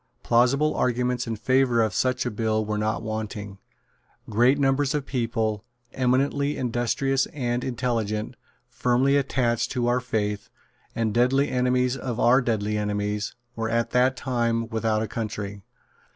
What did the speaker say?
Plausible arguments in favour of such a bill were not wanting. Great numbers of people, eminently industrious and intelligent, firmly attached to our faith, and deadly enemies of our deadly enemies, were at that time without a country.